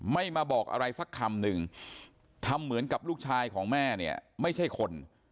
ไม่มาบอกอะไรสักคำหนึ่งทำเหมือนกับลูกชายของแม่เนี่ยไม่ใช่คน